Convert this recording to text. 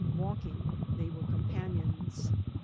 Walking they were companions.